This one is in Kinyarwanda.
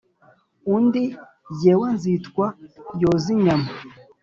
undi jyewe nzitwa yozinyama,